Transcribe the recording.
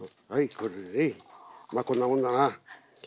これでまあこんなもんだな。